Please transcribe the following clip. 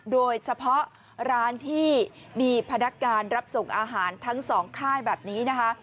โดยเฉพาะร้านที่มีพนักการรับส่งอาหารทั้งสองค่ายแบบนี้นะคะ